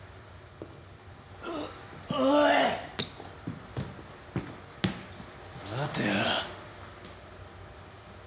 うっおい待てよ。